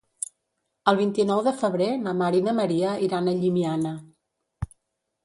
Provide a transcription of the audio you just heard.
El vint-i-nou de febrer na Mar i na Maria iran a Llimiana.